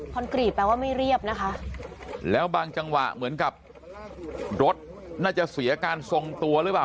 กรีตแปลว่าไม่เรียบนะคะแล้วบางจังหวะเหมือนกับรถน่าจะเสียการทรงตัวหรือเปล่า